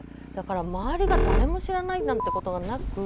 だから周りが誰も知らないなんてことはなく。